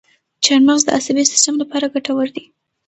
چارمغز د عصبي سیستم لپاره ګټور دی.